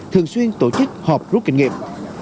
thường xuyên tổ chức họp rút kinh nghiệm